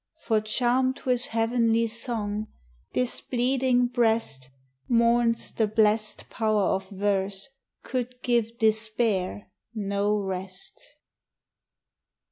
For charm'd with heav'nly song, this bleeding breast, Mourns the blest power of verse could give despair no rest.